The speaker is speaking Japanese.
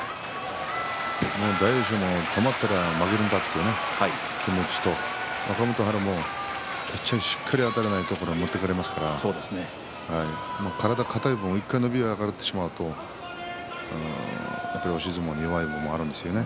大栄翔も止まったら負けるんだという気持ちと若元春も、しっかりあたらないと持っていかれますから体が硬い分伸び上がってしまうと押し相撲に弱い部分があるんですね。